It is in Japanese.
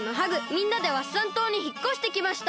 みんなでワッサン島にひっこしてきました！